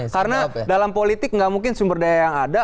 karena dalam politik nggak mungkin sumber daya yang ada